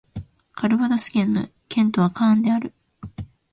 カルヴァドス県の県都はカーンである